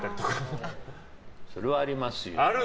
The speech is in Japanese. それはありますよ。